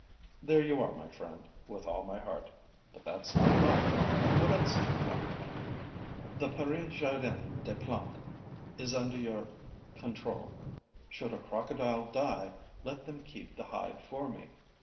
'There you are, my friend, with all my heart. But that's not enough. What else do you want?' 'The Paris Jardin des Plantes is under your control. Should a crocodile die, let them keep the hide for me.